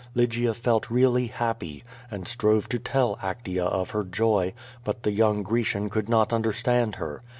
Lygia felt really happy, and strove to tell Actea of her joy, but the young Grecian could not understand her.